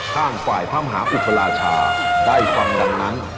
ทางฝ่ายพระมหาอุตราชาได้ฟังดังนั้น